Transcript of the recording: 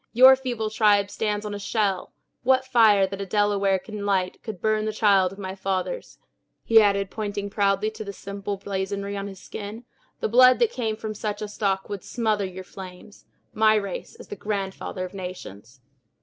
Your feeble tribe stands on my shell! What fire that a Delaware can light would burn the child of my fathers," he added, pointing proudly to the simple blazonry on his skin; "the blood that came from such a stock would smother your flames! My race is the grandfather of nations!"